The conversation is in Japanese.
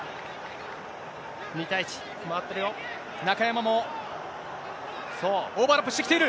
２対１、中山もオーバーラップしてきている。